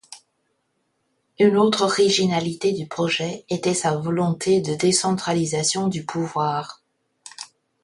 Une autre originalité du projet était sa volonté de décentralisation du pouvoir.